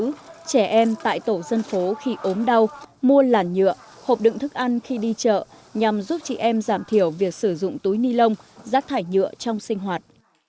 các trẻ em tại tổ dân phố khi ốm đau mua làn nhựa hộp đựng thức ăn khi đi chợ nhằm giúp chị em giảm thiểu việc sử dụng túi ni lông rác thải nhựa trong sinh hoạt